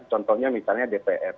contohnya misalnya dpr